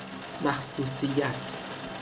مخصوصیت